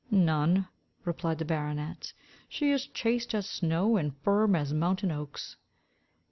"None," replied the baronet, "she is chaste as snow, and firm as mountain oaks."